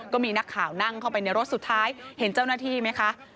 ก็มีนักข่าวนั่งเข้าไปในรถสุดท้ายเห็นเจ้าหน้าที่ไหมคะ